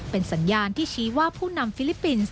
เป็นสัญญาณที่ชี้ว่าผู้นำฟิลิปปินส์